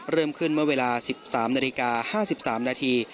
เริ่มขึ้นเมื่อเวลา๑๓นาฬิกา๕๓นาที